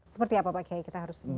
seperti apa pak kiai kita harus